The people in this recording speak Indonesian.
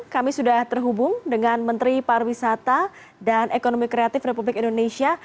kami sudah terhubung dengan menteri pariwisata dan ekonomi kreatif republik indonesia